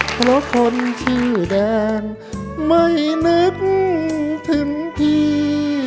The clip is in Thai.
เพราะคนชื่อแดงไม่นึกถึงพี่